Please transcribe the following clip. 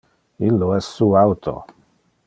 Illo es su auto.